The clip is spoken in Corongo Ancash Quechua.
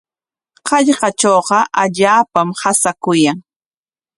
Hallqatrawqa allaapam qasaakun.